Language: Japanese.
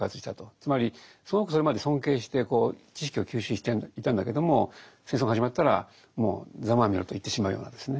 つまりすごくそれまで尊敬して知識を吸収していたんだけども戦争が始まったらもうざまあみろと言ってしまうようなですね。